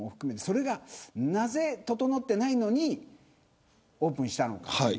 それが、なぜ整っていないのにオープンしたのか。